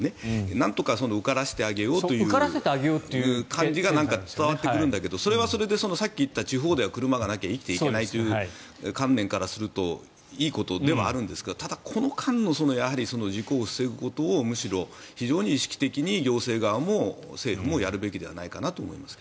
なんとか受からせてあげようという感じが伝わってくるんだけどそれはそれでさっき言った地方では車がなければ生きていけないという観念からするといいことではあるんですがこの間の事故を防ぐことをむしろ、非常に意識的に行政側も政府もやるべきではないかなと思います。